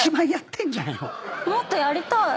もっとやりたい。